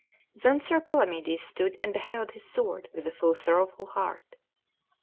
Then Sir Palamedes stood and beheld his sword with a full sorrowful heart.